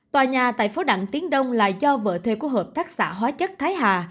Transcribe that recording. tòa nhà tại phố đặng tiến đông là do vợ thê của hợp tác xã hóa chất thái hà